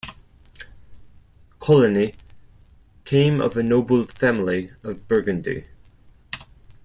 Coligny came of a noble family of Burgundy.